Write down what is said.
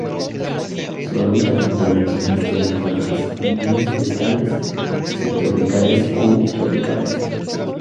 Su hábitat natural son las tierras bajas húmedas forestales subtropicales o tropicales.